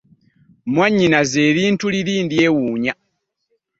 Mwnayinazze erintu liri ndyewunya ?